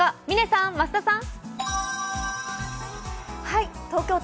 嶺さん、増田さん。